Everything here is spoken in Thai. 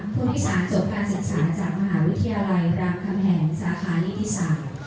ผู้โดยสารจบการศึกษาจากมหาวิทยาลัยรามคำแหงสาขานิติศาสตร์